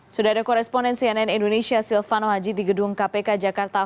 sudah ada koresponen cnn indonesia silvano haji di gedung kpk jakarta